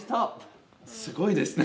すごいですね。